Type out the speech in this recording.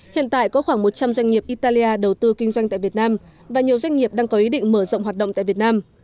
hiện tại có khoảng một trăm linh doanh nghiệp italia đầu tư kinh doanh tại việt nam và nhiều doanh nghiệp đang có ý định mở rộng hoạt động tại việt nam